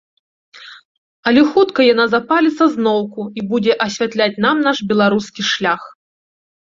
Але хутка яна запаліцца зноўку і будзе асвятляць нам наш беларускі шлях.